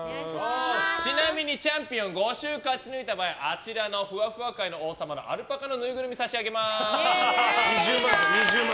ちなみにチャンピオン５週勝ち抜いた場合あちらのふわふわ界の王様アルパカのぬいぐるみを差し上げます。